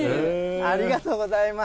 ありがとうございます。